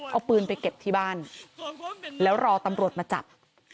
เอาปืนไปเก็บที่บ้านแล้วรอตำรวจมาจับ